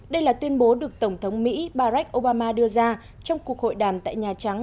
đây là tuyên bố được tổng thống mỹ barack obama đưa ra trong cuộc hội đàm tại nhà trắng